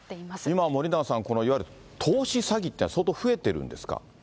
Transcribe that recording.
今、森永さん、このいわゆる投資詐欺ってのは相当増えているんですか。